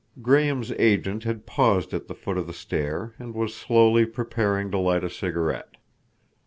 Graham's agent had paused at the foot of the stair and was slowly preparing to light a cigarette.